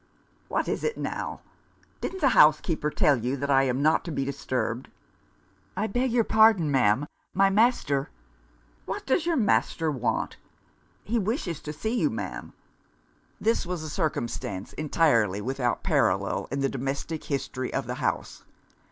"What is it now? Didn't the housekeeper tell you that I am not to be disturbed?" "I beg your pardon, ma'am. My master " "What does your master want?" "He wishes to see you, ma'am." This was a circumstance entirely without parallel in the domestic history of the house.